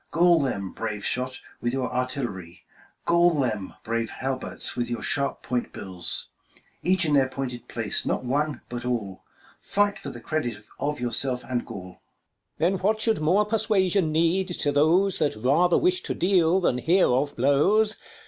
Gall them, brave shot, with your artillery : 3 5 SC.VH] HIS THREE DAUGHTERS 97 Gall them, brave halberts, with your sharp point bills, Each in their 'pointed place, not one, but all, Fight for the credit of yourselves and Gaul. King. Then what should more persuasion need to those, That rather wish to deal, than hear of blows